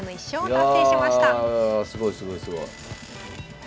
いやすごいすごいすごい。